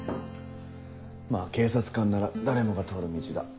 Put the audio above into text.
まぁ警察官なら誰もが通る道だ。